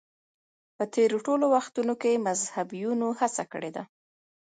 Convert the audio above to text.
په تېرو ټولو وختونو کې مذهبیونو هڅه کړې ده